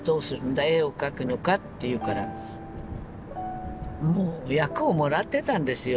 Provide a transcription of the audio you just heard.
絵を描くのか？」って言うからもう役をもらってたんですよ